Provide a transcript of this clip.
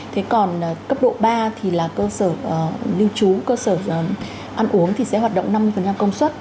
thế còn cấp độ ba thì là cơ sở lưu trú cơ sở ăn uống thì sẽ hoạt động năm mươi công suất